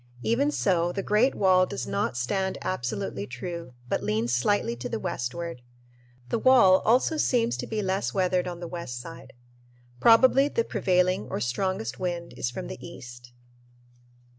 Even so, the great wall does not stand absolutely true, but leans slightly to the westward. The wall also seems to be less weathered on the west side. Probably the prevailing or strongest wind is from the east.